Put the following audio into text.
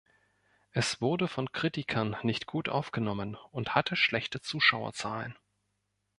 Es wurde von Kritikern nicht gut aufgenommen und hatte schlechte Zuschauerzahlen.